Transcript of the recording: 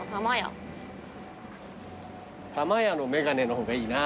「玉屋のメガネ」の方がいいな。